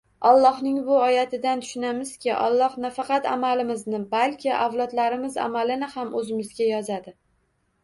Allohning bu oyatidan tushunamizki, Alloh nafaqat amalimizni, balki avlodlarimiz amalini ham o‘zimizga yozadi